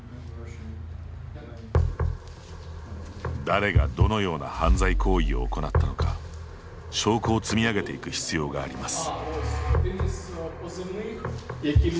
誰がどのような犯罪行為を行ったのか証拠を積み上げていく必要があります。